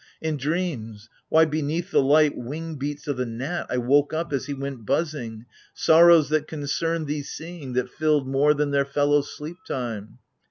In dreams — why, Beneath the light wing beats o' the gnat, I woke up As he went buzzing — sorrows that concerned thee Seeing, that filled more than their fellow sleep time.